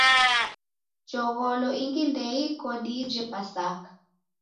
Jogholo ingi ndeiko diije Pasaka?